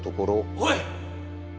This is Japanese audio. おい！